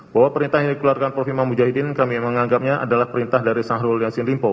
bahwa perintah yang dikeluarkan prof imam mujahidin kami menganggapnya adalah perintah dari syahrul yassin limpo